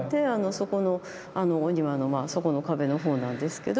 そこのお庭のまあそこの壁の方なんですけど。